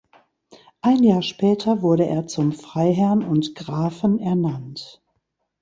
Ein Jahr später wurde er zum Freiherrn und Grafen ernannt.